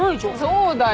そうだよ。